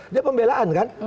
dia pembelaan kan